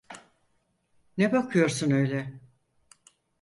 Ne bakıyorsun öyle?